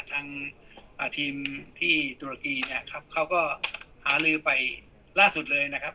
ทางทีมที่ตุรกีเนี่ยครับเขาก็หาลือไปล่าสุดเลยนะครับ